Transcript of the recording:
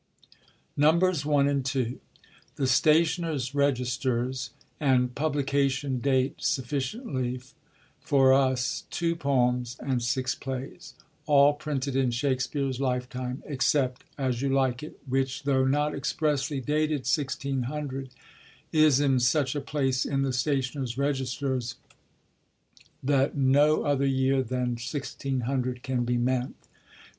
Nos. 1 and 2. The Stationers' Registers, and publica tion, date sufficiently for us two Poems, and six Plays, all printed in Shakspere's lifetime except As You Like It, which, tho' not expressly dated 1600, is in such a place in the Stationers* Registers that no other year than 1600 can be meant.